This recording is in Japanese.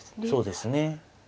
そうですね。